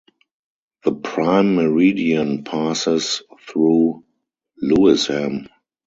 The Prime Meridian passes through Lewisham.